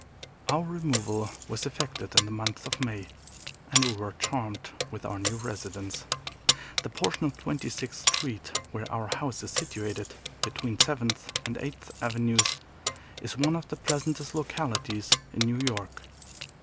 Our removal was effected in the month of May, and we were charmed with our new residence. The portion of Twenty sixth Street where our house is situated, between Seventh and Eighth Avenues, is one of the pleasantest localities in New York.